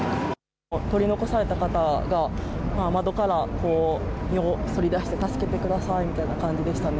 取り残された方が窓から身を乗り出して助けてくださいという感じでした。